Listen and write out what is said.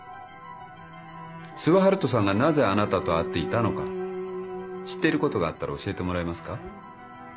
諏訪遙人さんがなぜあなたと会っていたのか知っていることがあったら教えてもらえますか？